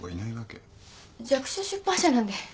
弱小出版社なんで。